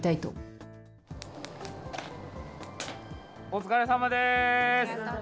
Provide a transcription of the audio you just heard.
お疲れさまです。